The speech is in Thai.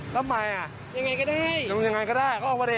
ทำไมอ่ะทำไมอ่ะยังไงก็ได้ยังไงก็ได้ก็ออกมาดิ